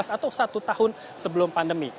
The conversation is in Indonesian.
atau satu tahun sebelum pandemi